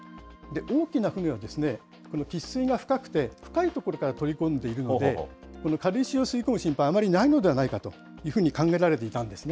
大きな船はこのきっすいが深くて、深いところから取り込んでいるので、この軽石を吸い込む心配、あまりないのではないかと考えられていたんですね。